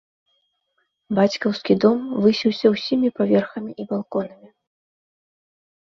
Бацькаўскі дом высіўся ўсімі паверхамі і балконамі.